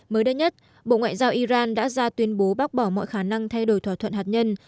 mới đây nhất bộ ngoại giao iran đã ra tuyên bố bác bỏ mọi khả năng thay đổi thỏa thuận hạt nhân